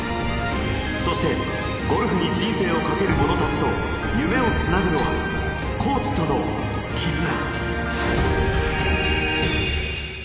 そしてゴルフに人生をかける者たちと夢をつなぐのはコーチとのキズナ。